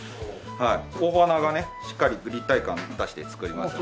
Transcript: お鼻がねしっかり立体感出して作ります。